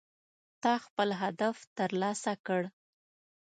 تا خپل هدف ترلاسه کړ